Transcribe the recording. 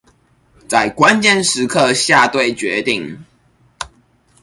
在關鍵時刻下對決定